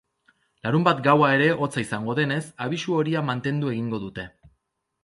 Larunbat gaua ere hotza izango denez, abisu horia mantendu egingo dute.